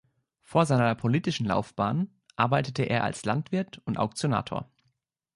Vor seiner politischen Laufbahn arbeitete er als Landwirt und Auktionator.